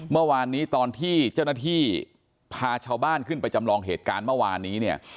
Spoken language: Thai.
เมื่อวานนี้ตอนที่เจ้าหน้าที่พาชาวบ้านขึ้นไปจำลองเหตุการณ์เมื่อวานนี้เนี่ย